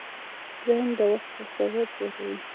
ذهن د وخت تصور جوړوي.